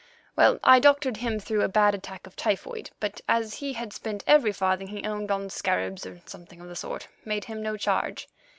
Well, I doctored him through a bad attack of typhoid, but as he had spent every farthing he owned on scarabs or something of the sort, made him no charge.